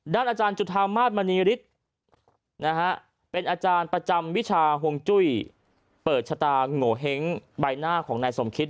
อาจารย์จุธามาสมณีฤทธิ์เป็นอาจารย์ประจำวิชาห่วงจุ้ยเปิดชะตาโงเห้งใบหน้าของนายสมคิต